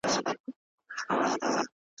دلته اورونه لګېدلي په اوبو جوړیږي